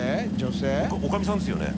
飯尾）おかみさんですよね？